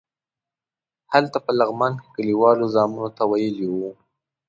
هلته په لغمان کې کلیوالو زامنو ته ویلي وو.